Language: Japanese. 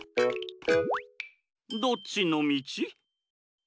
どっちのみち？